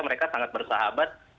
mereka sangat bersahabat